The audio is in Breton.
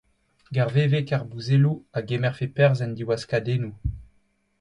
Garveveg ar bouzelloù a gemerfe perzh en diwaskadennoù.